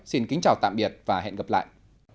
xin kính chào tạm biệt và hẹn gặp lại